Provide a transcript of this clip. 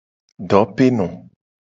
Dopeno.